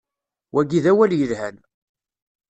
Wagi d awal yelhan.